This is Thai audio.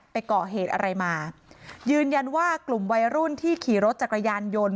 ไปก่อเหตุอะไรมายืนยันว่ากลุ่มวัยรุ่นที่ขี่รถจักรยานยนต์